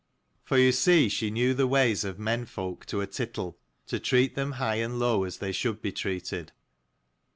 DD 225 For you see she knew the ways of menfolk to a tittle, to treat them high and low as they should be treated.